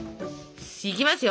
いきますよ。